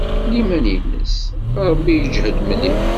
Liman-nnes s Ṛebbi yejhed mliḥ.